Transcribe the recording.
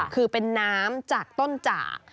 คือเป็นน้ำจากต้นจาก